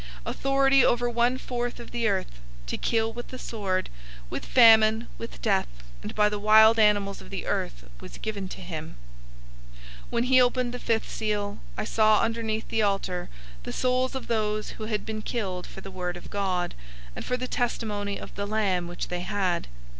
Authority over one fourth of the earth, to kill with the sword, with famine, with death, and by the wild animals of the earth was given to him. 006:009 When he opened the fifth seal, I saw underneath the altar the souls of those who had been killed for the Word of God, and for the testimony of the Lamb which they had.